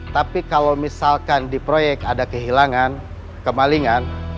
tapi kalau misalkan di proyek ada kehilangan kemalingan